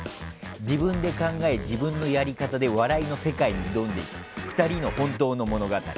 自分で考え、自分のやり方で笑いの世界に挑んでいく２人の本当の物語。